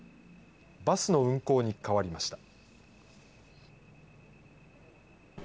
バスの運行に変わりました。